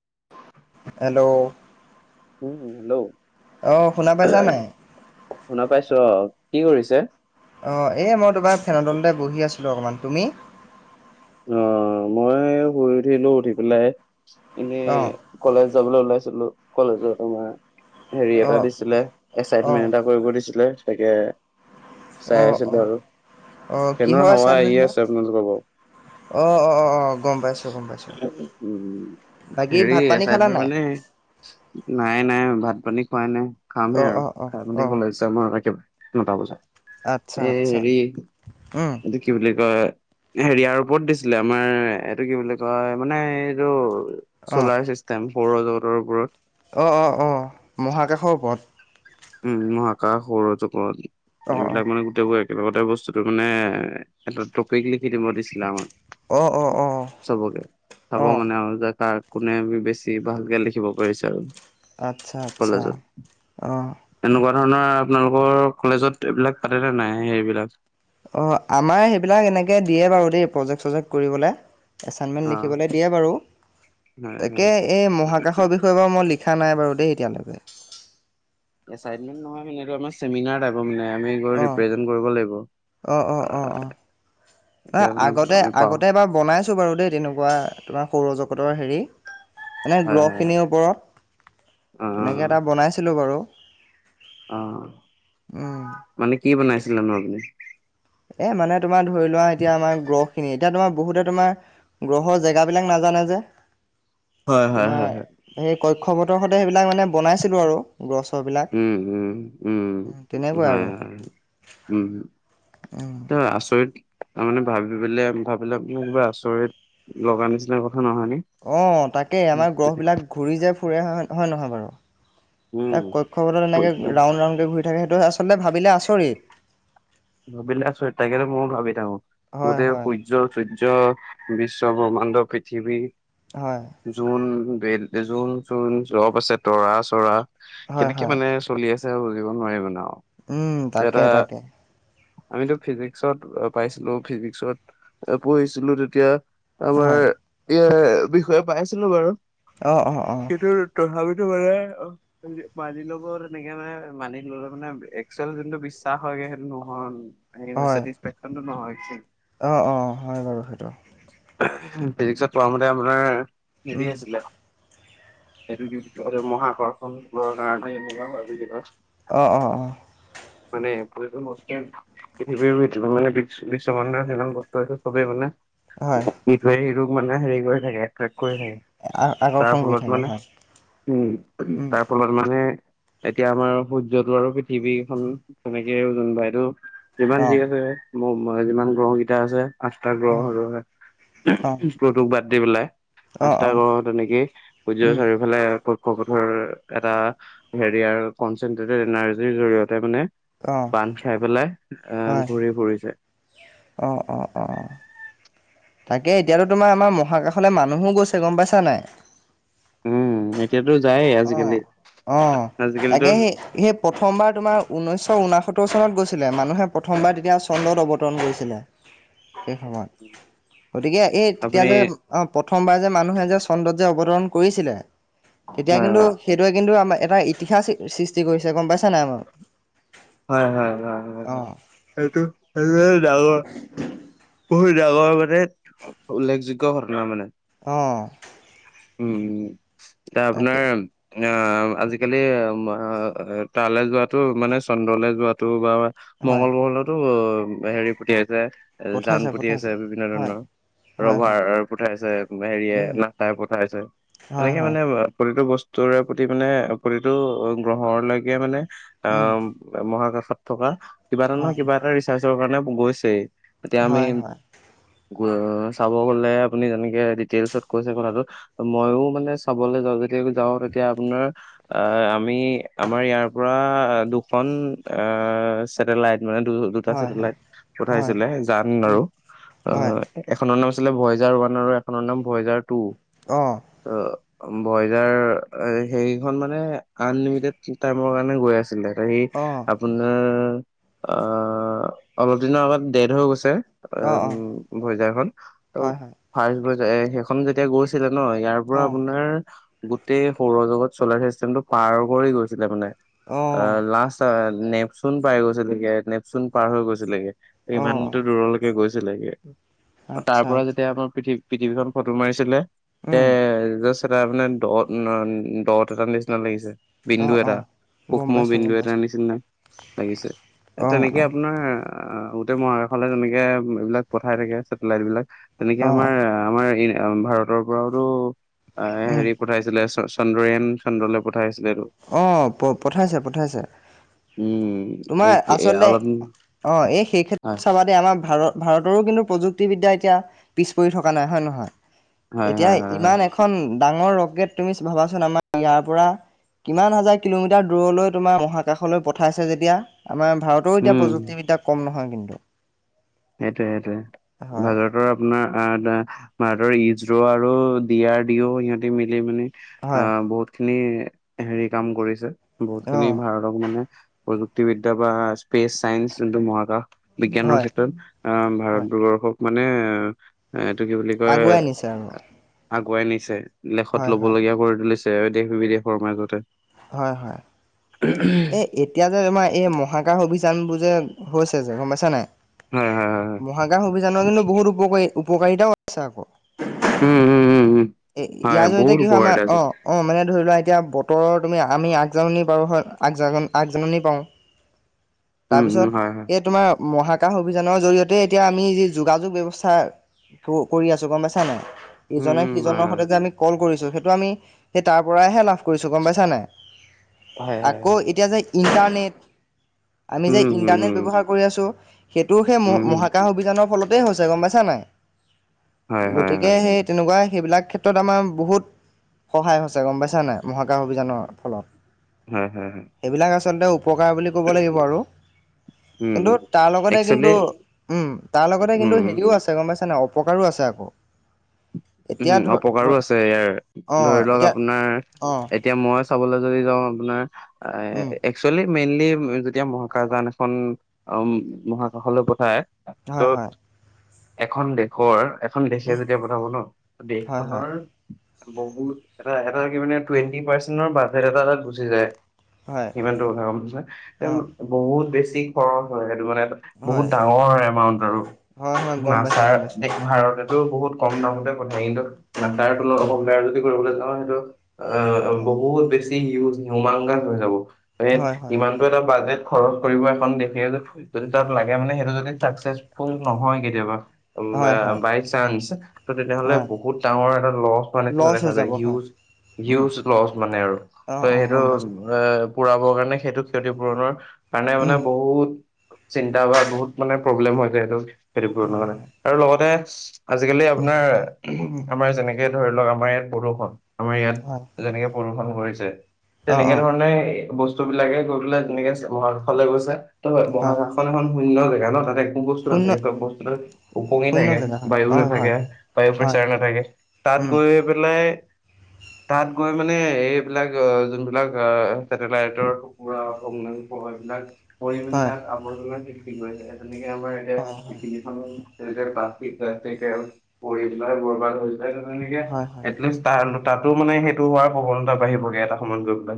Hello um hello অঁ শুনা পাইছা নাই শুনা পাইছ কি কৰিছে অঁ এই মই তোমাৰ ফেনডলতে বহি আছিলোঁ অকণমান তুমি অ মই শুই উঠিলো উঠি পেলাই এনে অঁ কলেজ যাবলৈ ওলাইছিলো কলেজত আমাৰ হেৰি এটা অঁ দিছিলে অঁ এক্সাইটমেণ্ট এটা কৰিব দিছিলে তাকে চাই অঁ আছিলো অঁ আৰু অঁ ফ্ৰেনৰ কিহৰ সাৱা আহে আছে আপোনালোকৰ বাৰু আহ অ অ অ গম পাইছো গম পাইছো উম, বাকী হেৰি ভাত পানী খালা এচাইনমেন্ট নাই মানে নাই নাই ভাত পানী খোৱাই নাই খামেই অঁ আৰু অঁ অঁ খাই মানি অঁ কলছম আৰু একেবাৰে নটা বজাত আচ্ছা এ আচ্ছা হেৰি উম এইটো কি বুলি কয় হেৰিয়াৰ ওপৰত দিছিলে আমাৰ এইটো কি বুলি কয় মানে এইটো অঁ চ'লাৰ চিষ্টেম সৌৰ জগতৰ ওপৰত অঁ অঁ অঁ মহাকাশৰ ওপৰত উম মহাকা সৰু চকত অঁ অঁ এইবিলাক মানে গোটেই গ একেলগতে বস্তুটো মানে এটা টপিক লিখি দিব দিছিলে আমাক অঁ অঁ অঁ চবকে চাব অঁ মানে আৰু জ কোনে আমি বেছি ভালকে লিখিব পাৰিছো আৰু আচ্ছা আচ্ছা অঁ তেনেকুৱা ধৰণৰ আপোনালোকৰ কলেজত এইবিলাক পাাটনে নাই সেইবিলাক অ' আমাৰ সেইবিলাক এনেকে দিয়ে বাৰু দেই প্ৰজেক্ট, চজেক্ট কৰিবলে। এচাইনমেন্ট অ লিখিবলৈ দিয়ে বাৰু হয় তাকে হয় এই মহাকাশৰ বিষয়ে বাৰু মই লি লিখা নাই বাৰু দেই এতিয়ালৈকে। এচাইণ্টমেণ্ট নহয় মানে এইটো আমাৰ চেমিনাৰ মানে তুমি সেইটো অ ৰিপ্ৰেজেণ্টে কৰিব লাগিব। অ অ অ অ ন তেতিয়া মানে আগতে আমি পাওঁ আগতে এবাৰ বনাইছো বাৰু দেই তেনেকুৱা তোমাৰ সৌৰ জগত ৰ হেৰি মানে হয় [unintelligible] হয় খিনিৰ ওপৰত হয় অ তেনেকৈ এটা বনাইছিলো বাৰু অ' উম মানে কি বনাইছিলোনো আপুনি। এ মানে তোমাৰ ধৰি লোৱা এতিয়া আমাৰ গল্ফ খিনিত এতিয়া তোমাৰ বহুতে তোমাৰ গ্ৰহৰ জেগা বিলাক নাজানে যে। হয় হয় তোমাৰ হয় হয় সেই কক্ষ পথৰ সেইবিলাক মানে বনাইছিলো আৰু গছৰবিলাক উম উম উম তেনেকুৱাই হয় আৰু হয় উম ত আচৰিত তাৰমানে ভাবি পেলে ভাবিলে ম কিবা আচৰিত লগা নিচিনা কথা নহয়নে অ' তাকেই আমাৰ গ্ৰহবিলাক ঘূৰি যে ফুৰে হয় নহয় নহয় বাৰু উম এক কক্ষপথত এনেকৈ ৰাউণ্ড, ৰাউণ্ডকে ঘূৰি থাকে। সেইটো আচলতে ভাবিলে আচৰিত ভাবিলে আচৰিত লাগে ন' মই ভাবি থাকো। হয় গোটেই হয় সূৰ্য, সূৰ্য বিশ্ব বিশ্ব-ব্ৰহ্মাণ্ড, পৃথিৱী, হয় জোন। জোন-চোন চব আছে তৰা-চৰা হয় কেনেকে হয় মানে চলি আছে। বুজিব নোৱাৰি মানে আৰু উম, তাকে তাকে। আমিতো ফিজিক্সত পাইছিলো। ফিজিক্সত পঢ়িছিলো তেতিয়া আমাৰ হয় ইয়াৰ বিষয়ে পাইছিলো বাৰু অঁ অঁ অঁ সেইটো তথাপি কিন্তু মানে মানি লব তেনেকে মানে মানি ললে মানে একচুৱেল যোনটো বিশ্বাস হয়গে সেইটো নহয়। অ' হয় চেটিকফেকচনটো নহয়। অঁ অঁ হয় বাৰু সেইটো ফিজিক্সত পঢ়া মতে আপোনাৰ হেৰি উম আছিলে সিটো মহাকৰ্ষণৰ কাৰণে এনেকুৱা [unintelligible] অ, অ, অ'। মানে পৃথিৱীৰ মানে বিশ্ব, বিশ্ব ব্ৰহ্মাণ্ডৰ বস্তটো চবেই মানে হয় কি কৰি থাকে মানে হেৰি কৰি থাকে কৰি থাকে তাৰ আকৰ্ষণ কৰি ফলত থাকে মানে হয় উ উম তাৰ ফলত মানে এতিয়া আমাৰ সূৰ্যটো আৰু পৃথিৱীখন তেনেকেই জোনবাইটো যিমান অঁ ঠিক আছে। মোৰ যিমান গ্ৰহকেইটা আছে। আঠটা গ্ৰহ হয় আৰু অঁ প্লুটুক বাদ দি পেলে। অঁ আস্তা অঁ কও তেনেকেই সূৰ্য উম চাৰিওফালে ঔশধৰ এটা হেৰিয় কনচেনট্ৰেটেড এনাৰ্জিৰ জৰিয়তে মানে অ বান্ধ খাই পেলাই অহ ঘূৰি ফুৰিছে অ অ অ তাকে এতিয়াতো তোমাৰ আমাৰ মহাকাশলৈ মানুহো গৈছে গম পাইছা নাই উম এতিয়াতো যায়েই অ আজিকালি অ তাকে আজিকালিতো সেই সেই প্ৰথমবাৰ তোমাৰ ঊনৈশ ঊনা সত্তৰ চনত গৈছিলে মানুহে প্ৰথমবাৰ তেতিয়া চন্দ্ৰত অৱতৰণ কৰিছিলে সেই সময়ত গতিকে এই তেতিয়া আপুনি যে অ পত প্ৰথমবাৰ যে মানুহে যে চন্দ্ৰত যে অৱতৰণ কৰিছিলে তেতিয়া আহ কিন্তু সেইটোৱে কিন্তু আমাৰ এটা ইতিহাচ সৃষ্টি কৰিছে গম পাইছা নাই হয় হয় হয় হয় অ', সেটো সেইটো ডাঙৰ বহুত [unintelligible] উল্লেখযোগ্য ঘটনা মানে অঁ উম এতিয়া আপোনাৰ অ আজিকালি তালৈ যোৱাাতটো মানে চন্দ্ৰলৈ যোৱাাতটো বা হয় মংগল গ্ৰহলতো হেৰি পুঠিয়াইছে জান পঠাইছে পঠাইছে পুতিাইছে বিভিন্ন হয়, ধৰণৰ। হয়, ৰভাৰ হয়, পঠাইছে হেৰিয়ে উম, নচাই পঠাইছে হয়, এনেকে হয়, মানে প্ৰতিটো বস্তুৰে প্ৰতি মানে প্ৰতিটো গ্ৰহৰ লকে মানে অ উম, মহাকাশত থকা কিবা এটা নয় হয়, কিবা এটা ৰিচাৰ্চৰ কাৰণে গৈছে। এতিয়া আমি হয়, হয়, চাব গলে আপুনি যেনেকে ডিটেইলচত কৈছে কথাটো মইও মানে চাবলৈ যাওঁ যদি যাওঁ তেতিয়া আপোনাৰ আহ আমি আমাৰ ইয়াৰ পৰা এ দুখন অ চেতেলাইট মানে দু দুটা হয়, হয়, চেটেলাইট হয়, পঠাইছিলে জান আৰু উম, অ হয়, এখনৰ আছিলে ভয়েজাৰ ওৱান আৰু এখনৰ নাম ভয়জাৰ টু অ বইজাৰ সেইখন মানে আনলিমিটেড টাইমৰ কাৰণে গৈ আছিলে। হে অ', আপোনাৰ অ অলপ দিনৰ আগত দেদ হৈ গৈছে। অ', অ', বজা খ ত হয়, হয়। ফাৰ্ষ বজ সেইখন যেতিয়া গৈছ ন ইয়াৰ পৰা অ', আপোনাৰ গোটেই সৌৰজগত চলাৰ চিষ্টেম টো পাৰ কৰি গৈছিলে মানে অ লাষ্ট নেপচুন পাই গৈছিলেগে নেপচুন পাৰ হৈ গৈছিলেগে। অ', ইমানতো দূৰলৈকে গৈছিলে তাৰ আচ্ছা, পৰা আচ্ছা, যেতিয়া আমাৰ পৃথিৱ পৃথিৱী খন ফটো মাৰিছিলে তে উম, তাৰ মানে দহ দহ এটাৰ নিচিনা লাগিছে। বিন্দু অ', এটা, অ'। গম সূক্ষ্ম পাইছো, বিন্দু গম এটাৰ পাইছো, নিচিনা। লাগিছে অ', তেনেকে অ', আপোনাৰ আহ গোটেই মহাকাশলে তেনেকে এইবিলাক পঠাই থাকে চেটেলাইট বিলিলাক তেনেকে অ', অ', আমাৰ আমাৰ ভাৰতৰ পৰাওতো উম, হেৰি পঠাইছিলে চন্দ্ৰয়ান চন্দ্ৰলৈ পঠাইছে অ' প পঠাইছে পঠাইছে। উম তোমাৰ এই আচলতে অলপ অ' এই সেই হয় ক্ষেত্ৰত চাবাতে আমাৰ ভাৰত ভাৰতৰো কিন্তু প্ৰযুক্তিবিদ্যা এতিয়া পিছ পৰি থকা নাই হয় নহয়। হয় এতিয়া হয় হয় হয় ইমান এখন ডাঙৰ ৰকেট তুমি ভাবাচোন আমাৰ ইয়াৰ পৰা কিমান হাজাৰ কিলোমিটাৰ দূৰলৈ তোমাৰ মহাকাশলৈ পঠাইছে যেতিয়া আমাৰ ভাৰতৰ এতিয়া উম প্ৰযুক্তিবিদ্যাক কম নহয় কিন্তু। সেইটোয়ে সেইটোয়ে হয়, ভাজাৰতৰ আপোনাৰ ভাৰতৰ ইজৰ আৰু ড আৰ ডিও সিহঁতে মিলি মানি হয়, আহ বহুত খিনি হেৰি কাম কৰিছে বহুত খিনি অ', ভাৰতক মানে প্ৰযুক্তিবিদ্যা বা স্পেচ চাইন্ঞ্চ যোনটো মহাকাশ বিজ্ঞানৰ হয়, ক্ষেত্ৰ অহ হয়। ভাৰতবৰ্ষক মানে এ এইটো কি বুলি কয় আগুৱাই নিছে আৰু আগুৱাই নিছে লেখত হয় হয় লবলগীয়া কৰি তুলিছ। দেশ বিদেশৰ মাজতে হয় হয়। এ এতিয়া যে তোমাৰ এই মহাকাশ অভিযান বোৰ যে হৈছে যে গম পাইছা নাই হয় হয় হয় হয় মহাগাশ অভিযানৰ কিন্তু বহুত উপকাৰী উপকাৰিতাও আছে আকৌ। উম উম উম উম। এ হয় ইয়াৰ জৰিয়তে বহুত কি হয় আমাৰ উপকাৰিতা আছে অ অ মানে ধৰি লোৱা এতিয়া উতৰৰ তুমি আমি আগজননী পাৰো হয় আগ আগজননী পাওঁ উম উম হয় হয় তাৰপিছত এই তোমাৰ মহাকাশ অভিযানৰ জৰিয়তে এতিয়া আমি যি যোগাযোগ ব্যৱস্থা কৰি আছোঁ গম পাইছা নাই। উম ইজনে উম হয় সিজনৰ সৈতে হয় যে আমি কল কৰিছো সেইটো আমি সেই তাৰ পৰাইহে লাভ কৰিছোঁ গম পাইছা নাই। হয় হয় আকৌ হয়। এতিয়া যে ইণ্টাৰনেট আমি যে উম, উম, ইণ্টাৰনেট উম, ব্যৱহাৰ কৰি আছোঁ সেইটো সেই মহ উম, মহাকাশ অভিযানৰ ফলতেই হৈছে গম পাইছা নাই। হয়, হয়, গতিকে হয়, সেই তেনেকুৱাই সেইবিলাক ক্ষেত্ৰত আমাৰ বহুত সহায় হৈছে গম পাইছ নাই মহাকাশ অভিযানৰ ফলত হয় - হয় - হয়। পকাৰ বুলি ক'ব লাগিব আৰু। উম, কিন্তু উম। তাৰ লগতে একচুৱেলি কিন্তু উম, তাৰ লগতে কিন্তু উম, হেৰিও আছে গম পাইছে ন। পকাৰো আছে আকৌ এতিয়া উম, ধ ধ অপকাৰো আছে ইয়াৰ অ ধৰি লওক এতিয়া আপোনাৰ অ এতিয়া মই চাবলৈ যদি যাও উম আপোনাৰ একচুৱেলী মেইনলি যেতিয়া মহাকাশযান এখন অ, মহাকাশলৈ পঠায়। ত' হয় - হয়। এখন দেশৰ - এখন দেশে উম যদিনাব ন হয় হয় দেশখনৰ বহুত এটা - এটা কি মানে টুৱেণ্টি পাৰ্চেন্টৰ বাজেট এটা এাত গুচি যায়। হয় ইমানতটো গম অ বহুত বেছি খৰচ হয় সটো মানে। বহুত হয় ডাঙৰ এমাউন্ট আৰু হয় হয় গম পাইছোঁ নাচাৰ গম পাইছোঁ ভাৰতেতো বহুত কম দামৰ। ক কিন্তু নাচাৰ তুল অৱাৰ যদি কৰিবলৈ যাও সেইটো অ, বহুত বেছি। জমাং গান হৈ যাব হয় হয় ইমানটো এটা বাজেট খৰচ কৰিব এখন দেখে যে যদি তাত লাগে মানে সেইটো যদি চাকচেচফুল নহয় কেতিয়াবা। হয় হয় বাই চান্স তেনেয়হ'লে হয় বহুত ডাঙৰ এটা লছ মানে লছ দেখা হৈ যায় যাব হয়। Huge um. হিউজ লছ মানে আৰু ত, অ', অ', সেইটো গম পাইছোঁ। পুৰাবৰ কাৰণে সেইটো ক্ষতিপূৰণৰ কাৰণে মানে উম, বহুত চিন্তা বা বহুত মানে প্ৰব্লেম হৈ য সেই সেইটো হয়, কাৰণে হয়, আৰু লগতে আজাল উম, আপোনাৰ আমাৰ যেনেকে ধৰি লওক আমাৰ ইয়াত প্ৰদূষণ আমাৰ ইয়াত হয়, যেনেকে প্ৰদষণ অ', তেনেকে অ', ধৰণে বস্তু বিলাকে গৈ পলে যেনেকে মহাকাশলৈ গৈছে। ত, হয় বহ কাষখন এখন শূন্য জেগা ন তাতে ব বস্তু শূন্য, নাথাকে চব বস্তু ওপঙি শূন্য থাকে জেগা হয়, বায়ুৰে হয়, থাকে। হয়, বায়ু হয়, প্ৰেচাৰ নাথাকে তাত উম, গৈ পেলাই তাত গৈ মানে এইবিলাক যোনবিলাক চছেটেলাইটৰ টুকুৰা এইবিলাক পৰি হয়, তাক আৱৰ্জন সৃষ্টি কৰিছে তেনেকে আমাৰ এতিয়া হয়, হয়। পৃথখনো তেনেক প্লা পৰি পেলাই বৰবাদ হৈনেকে হয়, হয়, এলিষ্ট তাৰ তাতো মানে সেইটো হোৱাৰ প্ৰৱণতা বাঢ়িবগে এটা সমঞ্জোগ লৈ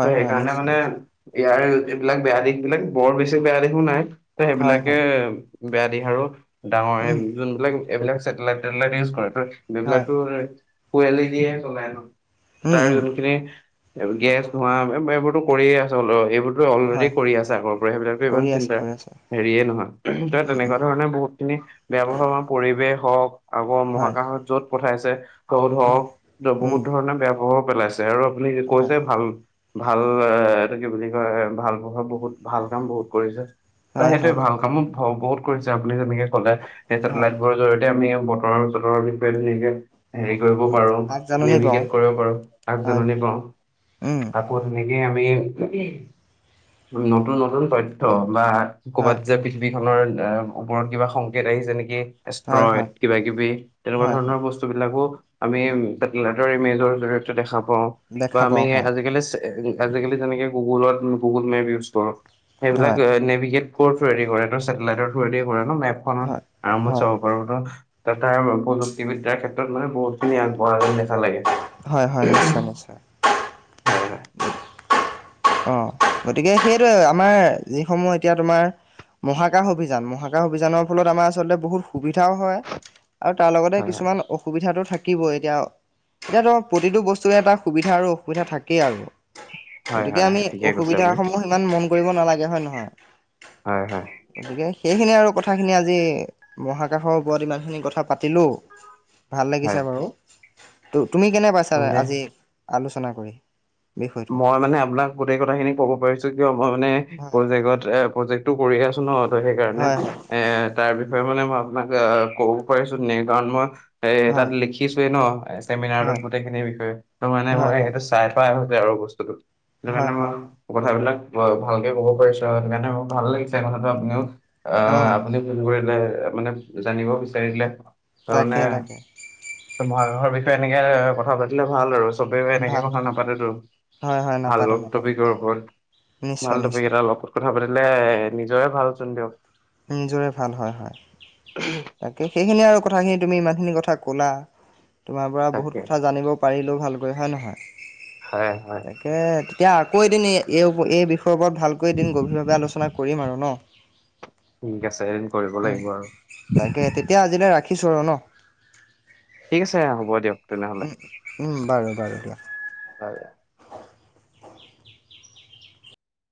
ত হয়, সেইকাৰণে নিশ্চয়, মানে নিশ্চয়, ইয়াৰ এইবিলাক বেয়া দিশ বিলাক বৰ বেছি বেয়া দিশো নাই ত হয়, সেইবিলাকে হয়, বেয়া দিশ আৰু ডাঙৰ উম, যোনবিলাক এইবিলাক চেটেলাইট টেটেলাইট ইউজ কৰে। হয়, ববিলাকো পোৱালি দিয়েহে কলেন উম, তাৰ উম, যোনখিনি গেছ ধোৱা এইবোৰতো কৰিয়ে আছ অল এইবোৰো অলৰেডি হয়। কৰি আছে আগৰ পৰা সেইবিলাকো কৰি ইমান আছে, চিন্তা কৰি আছে, হেৰিয়ে নহয় ত উম, তেনেকুৱা উম, ধৰণে বহুত খিনি বেয়া বহমাৰ পৰিৱেশ হওক আকৌ হয়, মহাকাশত যত পঠাইছে ত উম, ধৰওক বহুত উম, ধৰণে বেয়া প্ৰভাৱ পেলাইছে। আৰু আপুনি হয়, কৈছে ভাল ভাল এ এইটো কি বুলি কয় ভাল প্ৰভাৱ বহুত ভাল কাম বহুত কৰিছে। ত হয়, সেইটোৱে হয়, ভাল কামো বহুত কৰিছে আপুনি যেনেকে কলে সেই হয়, চছেটেলাইট বোৰৰ জৰ য়া আমি বতৰ বতৰৰ বিষয়ে যেকে হেৰি কৰিব উম, পাৰো আগজাননী পাওঁ, নেভিগেট কৰিব পাৰো তাক হয়, জাননী কও উম, আাকো তেনে আমি নতুন - নতুন তথ্য় বা ক'বাত হয়, য পৃথিৱী নৰ ওপৰত কিবা সংকেত আহিছে যে নেকি? হয়, ক্ৰয় হয়, কিবা কিবি তেনেকুৱা হয়, ধৰণৰ হয়, বস্তুবিলাকো আমি লৰ ইমেজৰ জৰিত দেখা পাও বা দেখা আমি পাওঁ, হয়, আজিকালি আজিকালি যেনেকে গুগুলত -গুগল মেপ ইউজ কৰো হয়, সেইবিলাক নেভিগেট থ্ৰে কৰে নেটেলাইটৰ থ কৰে ন মেপ হয়, আৰম্ভ হয়, চাব। পাৰো ত তাৰ প্ৰযুক্তিবিদ্যাৰ ক্ষেত্ৰত মানে বহুত খিনি আগবঢ়া যেন দেখা লাগে। হয় - হয় নিশ্চয় - নিশ্চয়। হয় হয় অ' গতিকে সেইটোৱে আমাৰ যিসমূহ এতিয়া তোমাৰ মহাকাশ অভিযান। মহাকাশ অভিযানৰ ফলত আমাৰ আচলতে বহুত সুবিধাও হয় আৰু তাৰ লগতে হয় কিছুমান অসুবিধাটো থাক কিবই এতিয়া, এতিয়া তোমাৰ প্ৰতিটো বস্তুৰে এটা সুবিধা আৰু অসুবিধা থাকেই আৰু। হয়। তিয়া হয় আমি হয় ঠিকে কৈছে আপুনি অসুবিধাসমূহ সিমান মন কৰিব নালাগে, হয় নে নহয়? হয় - হয়। গতিকে সেইখিনি আৰু কথাখিনি আজি মহাকাশৰ ওপৰত ইমানখিনি কথা পাতিলোঁ। ভাল হয়, লাগিছা বাৰু। তু- তুমি কেনে পাইছা মানে আজি আলোচনা কৰি? বিষয়টো? মই মানে আপোনাক গোটেই কথাখিনি ক'ব পাৰিছোঁ কিয় মই মানে হয় প্ৰজেক্টত- এ প্ৰজেক্টটো কৰি আছোঁ ন' ত সেইকাৰণে। হয় হয় এ তাৰ বিষয়ে মানে মই আপোনাক অ ক'ব পাৰিছো নে কাৰণ মই এ তাত হয় লিখিছোৱে ন চেমিনাৰটোত হয় গোটেইখিনিৰ বিষয়ে। ত' মানে মই হয় এইটো হয় চাই থোৱা হৈছে আৰু বস্তুতো। সেইটো হয় কাৰণে মই হয়। কথাবিলাক মই ভালকে কব পাৰিছো আৰু সেইকাৰণে মোৰ ভাল লাগিছে কথাটো আপুনিও আহ অঁ আপুনিও ফোন কৰিলে মানে জানিব বিচাৰিলে তাৰমানে তাকে তাকে মহাকাশৰ বি ষয়ে এনেকে কথা পাতিলে ভাল আৰু চবে এনেকে ভাল কথা ভাল নাপাতেতো। হয় হয় ভাল নাপাতে নাপাতে টপিকৰ ওপৰত, নিশ্চয় ভাল টপিক নিশ্চয় এটা অক কথা পাতিলে নিজৰে ভালচোন দিয়ক। নিজৰে ভাল হয়, হয়। তাকে সেইখিনি আৰু কথাখিনি তুমি ইমান খিনি কথা ক'লা। তোমাৰ পৰা বহুত তাকে কথা জানিব পাৰিলো ভালকৈ, হয় নহয়? হয় হয় তাকে তেতিয়া আকৌ এদিন এই এই বিষ য়ৰ পৰত ভালকৈ এদিন গভীৰভাৱে আলোচনা কৰিম আৰু ন? ঠিক আছে। কৰিব উম, লাগিব আৰু তাকে তেতিয়া আজিলৈ ৰাখিছোঁ আৰু ন? ঠিক আছে হ'ব দিয়ক। তেনেহ'লে উম, উম বাৰু বাৰু দিয়া। হয়।